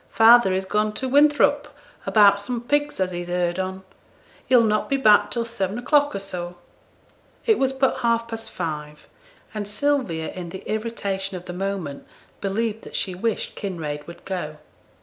'Father is gone to Winthrop about some pigs as he's heerd on. He'll not be back till seven o'clock or so.' It was but half past five, and Sylvia in the irritation of the moment believed that she wished Kinraid would go.